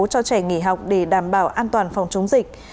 cho trẻ nghỉ học để đảm bảo an toàn phòng chống dịch